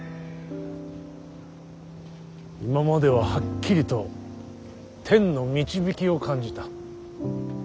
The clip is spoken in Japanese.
今までははっきりと天の導きを感じた。